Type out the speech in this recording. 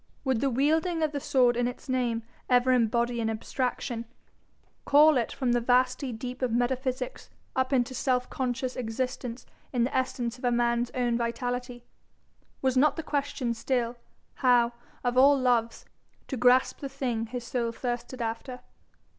Would the wielding of the sword in its name ever embody an abstraction, call it from the vasty deep of metaphysics up into self conscious existence in the essence of a man's own vitality? Was not the question still, how, of all loves, to grasp the thing his soul thirsted after?